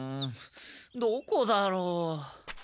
どこだろう。